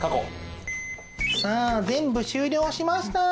さあ全部終了しました。